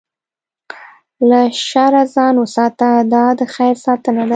له شره ځان وساته، دا د خیر ساتنه ده.